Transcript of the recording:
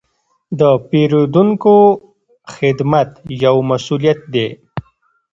د پیرودونکو خدمت یو مسوولیت دی.